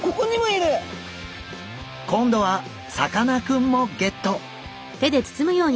今度はさかなクンもゲット！